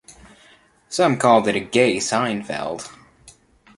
Some called it "a gay "Seinfeld".